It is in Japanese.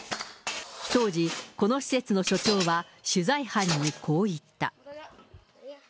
当時、この施設の所長は、取材班にこう言った。